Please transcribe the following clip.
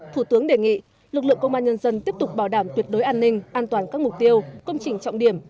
thủ tướng đề nghị lực lượng công an nhân dân tiếp tục bảo đảm tuyệt đối an ninh an toàn các mục tiêu công trình trọng điểm